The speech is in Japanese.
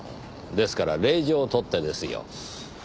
ですから令状を取ってですよ。